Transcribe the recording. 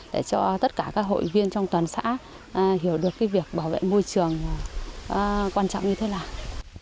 để cho tất cả các hội viên trong toàn xã hiểu được việc bảo vệ môi trường quan trọng như thế nào